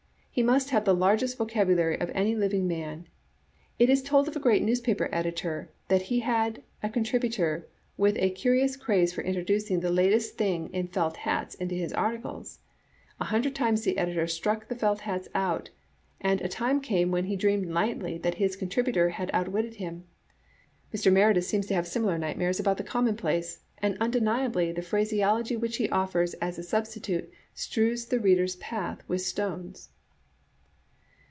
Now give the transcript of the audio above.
He must have the largest vocabulary of any living man. It is told of a great newspaper editor that he had a con tributor with a curious craze for introducing the latest thing in felt hats into his articles. A hundred times the editor struck the felt hats out, and a time came when he dreamed nightly that hi$ contributor had out Digitized by VjOOQ IC 5* A* JSartte* witted him. Mr. Meredith seems to have similar night mares about the commonplace, and undeniably the phraseology which he offers as a substitute strews the reader's path with stones."